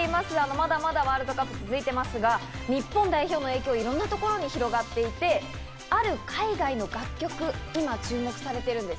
まだまだワールドカップは続いていますが、日本代表の影響がいろんなところに広がっていて、ある海外の楽曲、今注目されているんです。